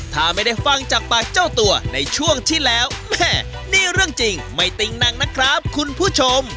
ถ้าไม่ได้ฟังจากปากเจ้าตัวในช่วงที่แล้วแม่นี่เรื่องจริงไม่ติ่งนังนะครับคุณผู้ชม